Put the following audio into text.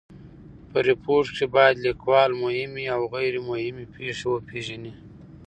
په ریپورټ کښي باید لیکوال مهمي اوغیري مهمي پېښي وپېژني.